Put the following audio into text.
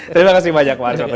terima kasih banyak pak anies mata